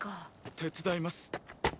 手伝います。